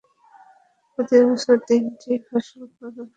প্রতি বছর তিনটি ফসল উৎপাদন হয়ে থাকে।